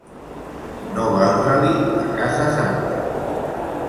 No valdre-li la casa santa.